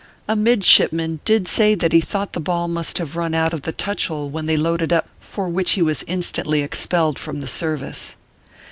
A midshipman did say that he thought the ball must have run out of the touch hole when they loaded up for which he was instantly expelled from the service.